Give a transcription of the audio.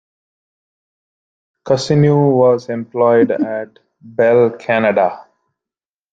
Cousineau was employed at Bell Canada.